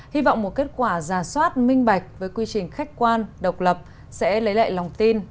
hy vọng một kết quả giả soát minh bạch với quy trình khách quan độc lập sẽ lấy lại lòng tin